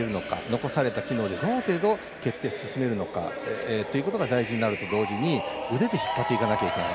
残された機能でどの程度蹴って進めるのかというのが大事になると同時に腕で引っ張っていかないといけない。